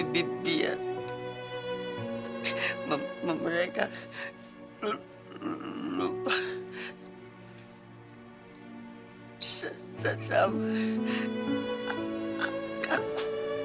biar mereka lupa sesama aku